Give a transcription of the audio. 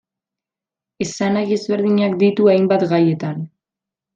Esanahi ezberdinak ditu hainbat gaietan.